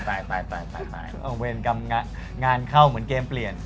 เวรกรรมงานเข้าเหมือนเกมเปลี่ยน